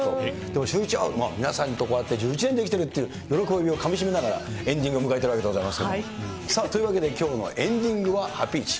でもシューイチ、皆さんとこうやって１１年できてるっていう喜びをかみしめながらエンディングを迎えたわけでございますけれども、さあ、ということできょうのエンディングはハピイチ。